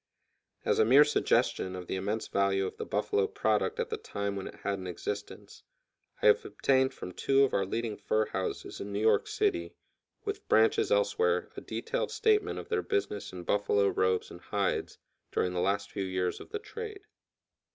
As a mere suggestion of the immense value of "the buffalo product" at the time when it had an existence, I have obtained from two of our leading fur houses in New York City, with branches elsewhere, a detailed statement of their business in buffalo robes and hides during the last few years of the trade.